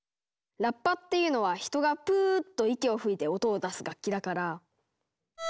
ラッパっていうのは人がプーッと息を吹いて音を出す楽器だから。